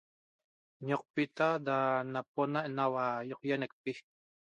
Ñoqopita da napona't naua ýaqaýanecpi